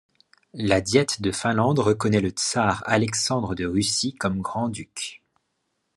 La Diète de Finlande reconnait le Tsar Alexandre de Russie comme Grand Duc.